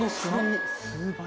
数倍。